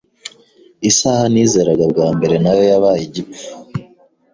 Isaha nizeraga bwa mbere nayo yabaye igipfu